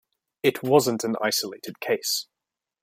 It wasn't an isolated case.